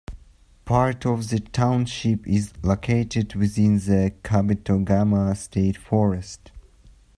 Part of the township is located within the Kabetogama State Forest.